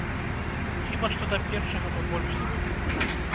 Хіба што да першага мы больш звыклыя.